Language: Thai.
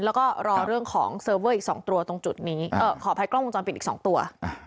แล้วก็รอเรื่องของเซิร์ฟเวอร์อีก๒ตัวตรงจุดนี้ขออภัยกล้องวงจรปิดอีก๒ตัว